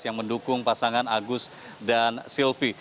yang mendukung pasangan agus dan silvi